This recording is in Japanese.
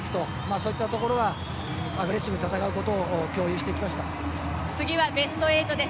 そういったところはアグレッシブに戦うことを次はベスト８です。